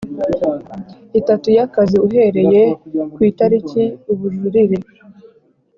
itatu y akazi uhereye ku itariki ubujurire